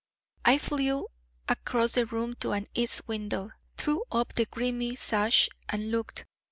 I flew across the room to an east window, threw up the grimy sash, and looked.